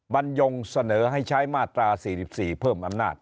บรรยงเสนอให้ใช้มาตรา๔๔เพิ่มอำนาจ